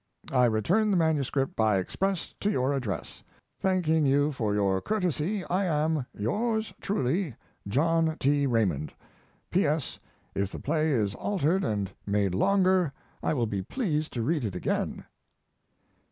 I return the manuscript by express to your address. Thanking you for your courtesy, I am, Yours truly, JOHN T. RAYMOND. P.S. If the play is altered and made longer I will be pleased to read it again.